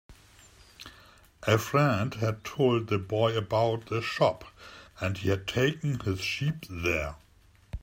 A friend had told the boy about the shop, and he had taken his sheep there.